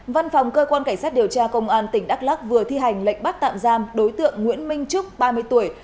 văn phòng cơ quan cảnh sát điều tra công an tỉnh đắk lắc vừa thi hành lệnh bắt tạm giam đối tượng nguyễn minh trúc ba mươi tuổi